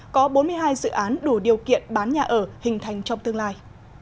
có bốn mươi hai dự án đủ điều kiện bán nhà ở hình thành trong tương lai